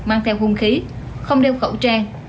mang theo vũ khí không đeo khẩu trang